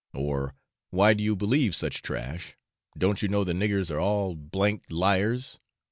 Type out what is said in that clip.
or 'Why do you believe such trash; don't you know the niggers are all d d liars?'